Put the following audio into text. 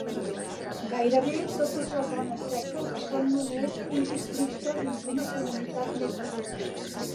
Gairebé totes les zones seques són només un districte dins d'una comunitat més gran.